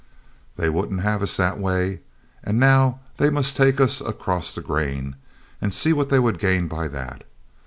They wouldn't have us that way, and now they must take us across the grain, and see what they would gain by that.